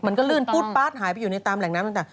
มันก็ลื่นปุ๊ดป๊าดหายไปอยู่ในตามแหล่งน้ำต่าง